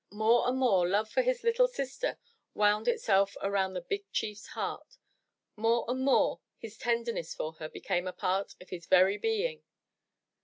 More and more, love for his little sister wound itself around the big chief's heart; more and more his tenderness for her became a part of his very being.